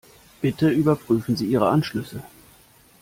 Bitte überprüfen Sie Ihre Anschlüsse.